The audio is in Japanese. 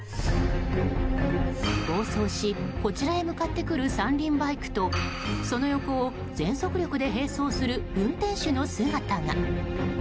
暴走し、こちらへ向かってくる３輪バイクとその横を全速力で並走する運転手の姿が。